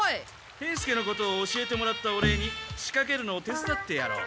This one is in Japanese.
兵助のことを教えてもらったお礼にしかけるのを手つだってやろう。